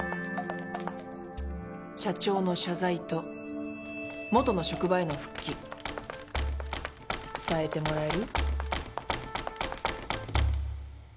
社長の謝罪と元の職場への復帰伝えてもらえる？